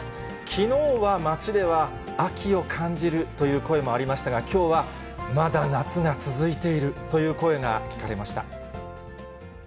きのうは街では秋を感じるという声もありましたが、きょうは、まだ夏が続いているという声が聞かれました。